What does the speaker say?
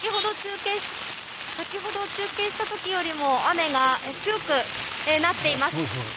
先ほど中継した時よりも雨が強くなっています。